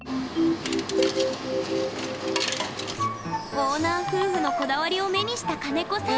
オーナー夫婦のこだわりを目にした金子さん